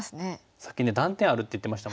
さっき断点あるって言ってましたもんね。